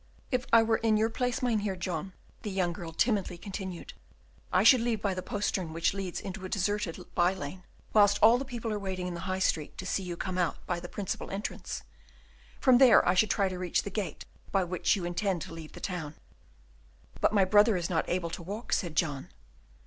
"If I were in your place, Mynheer John," the young girl timidly continued, "I should leave by the postern, which leads into a deserted by lane, whilst all the people are waiting in the High Street to see you come out by the principal entrance. From there I should try to reach the gate by which you intend to leave the town." "But my brother is not able to walk," said John.